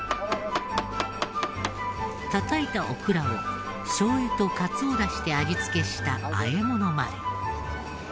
たたいたオクラをしょう油とかつおダシで味付けした和え物まで。